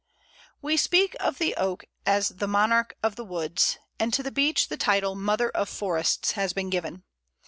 We speak of the Oak as the "Monarch of the Woods," and to the Beech the title "Mother of Forests" has been given.